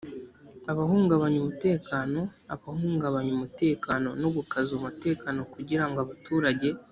abahungabanya umutekano abahungabanya umutekano no gukaza umutekano kugirango abaturage